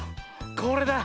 これだ。